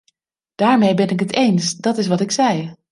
Daarmee ben ik het eens, dat is wat ik zei.